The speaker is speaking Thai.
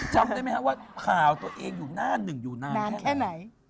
จำได้ไหมครับว่าข่าวตัวเองอยู่หน้าหนึ่งอยู่นานนานแค่ไหน